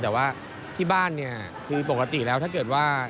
แต่ว่าที่บ้านเนี่ยคือปกติแล้วถ้าเกิดว่า